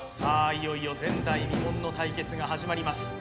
いよいよ前代未聞の対決が始まります